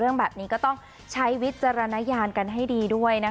เขาบอกเลขสโชนท์ลงถ่ายด้วย๖๒